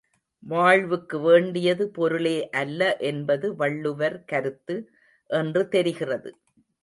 வாழ்வுக்கு வேண்டியது பொருளே அல்ல என்பது வள்ளுவர் கருத்து என்று தெரிகிறது.